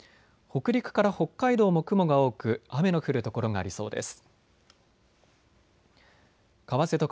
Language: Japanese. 北陸から北海道も雲が多く雨の降る所がありそうです。